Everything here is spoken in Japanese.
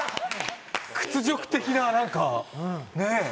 屈辱的ななんかねえ